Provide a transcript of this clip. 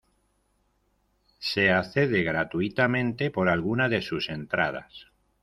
Se accede gratuitamente, por alguna de sus entradas.